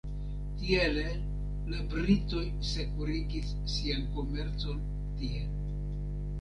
Tiele la britoj sekurigis sian komercon tie.